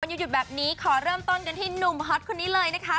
หยุดแบบนี้ขอเริ่มต้นกันที่หนุ่มฮอตคนนี้เลยนะคะ